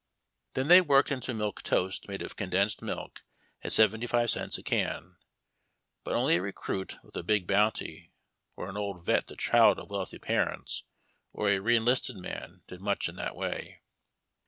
118 HABB TACK AND COFFEE. Then they worked into milk toast made of condensed milk at seventy five cents a can ; but only a recruit with a big bounty, or an old vet the child of wealthy parents, or a re enlisted man did much in that way.